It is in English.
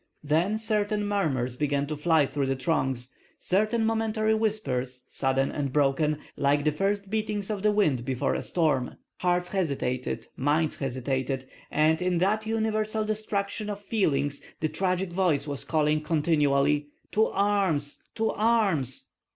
Then certain murmurs began to fly through the throngs, certain momentary whispers, sudden and broken, like the first beatings of the wind before a storm. Hearts hesitated, minds hesitated, and in that universal distraction of feelings the tragic voice was calling continually, "To arms, to arms!"